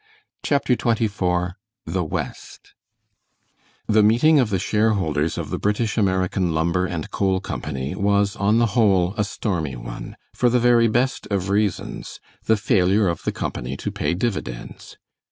CHAPTER XXIV THE WEST The meeting of the share holders of the British American Lumber and Coal Company was, on the whole, a stormy one, for the very best of reasons the failure of the company to pay dividends.